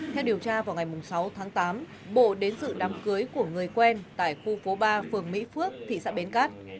theo điều tra vào ngày sáu tháng tám bộ đến dự đám cưới của người quen tại khu phố ba phường mỹ phước thị xã bến cát